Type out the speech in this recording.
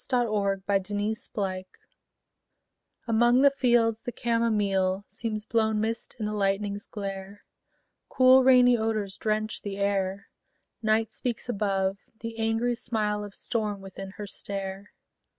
THE WINDOW ON THE HILL Among the fields the camomile Seems blown mist in the lightning's glare: Cool, rainy odors drench the air; Night speaks above; the angry smile Of storm within her stare.